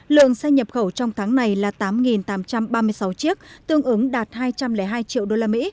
lượng xe nhập khẩu trong tháng này là tám tám trăm ba mươi sáu chiếc tương ứng đạt hai trăm linh hai triệu usd